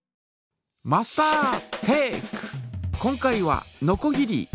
今回はのこぎり。